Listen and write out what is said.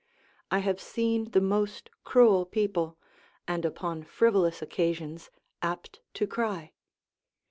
I have seen the most cruel people, and upon frivolous occasions, apt to cry.